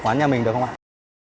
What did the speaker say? còn bao nhiêu là sẻ ớt